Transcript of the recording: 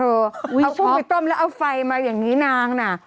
เอากุ้งไปต้มแล้วเอาไฟมาอย่างนี้นางน่ะ